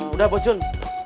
udah bos jun